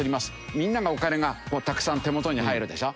みんながお金がたくさん手元に入るでしょ？